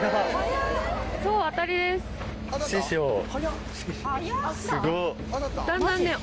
師匠すごっ。